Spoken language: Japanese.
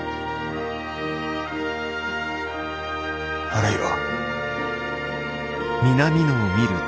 あるいは。